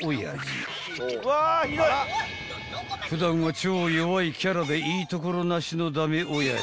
［普段は超弱いキャラでいいところなしの駄目親父］